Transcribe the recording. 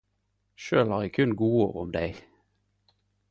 Sjølv har eg kun godord om dei.